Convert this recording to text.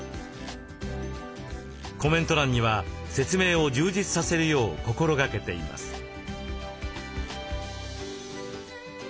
コメント欄には説明を充実させるよう心がけています。